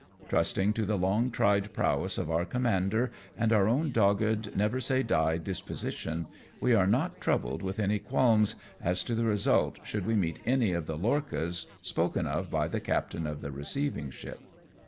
Trusting to the long tried prowess of our commander, and our own dogged, never say die disposition, we are not troubled with any qualms as to the result should we meet any of the lorchas spoken of by the captain of the receiving ship.